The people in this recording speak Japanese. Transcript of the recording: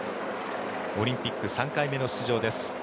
オリンピック３回目の出場です。